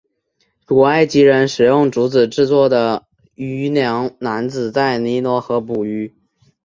古埃及人使用竹子制作的渔梁篮子在尼罗河捕鱼。